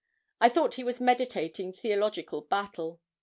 I thought he was meditating theologic battle.